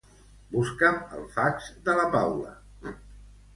Busca'm el fax de la Paula.